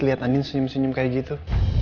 liat andin senyum senyum kayak gitu